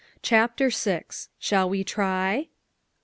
CHAPTER VI. SHALL WE TRY?